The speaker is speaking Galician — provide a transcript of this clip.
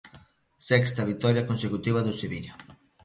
Sexta vitoria consecutiva do Sevilla.